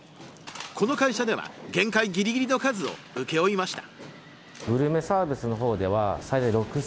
この会社では限界ぎりぎりの数を請け負いました。